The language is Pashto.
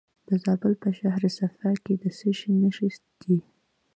د زابل په شهر صفا کې د څه شي نښې دي؟